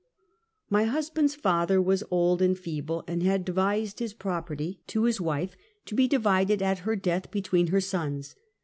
My husband's father was old and feeble, and had devised his property to his wife, to be divided at her death between her sons.